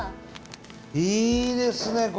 いいですね